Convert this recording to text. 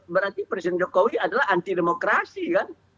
berarti presiden jokowi adalah anti demokrasi kan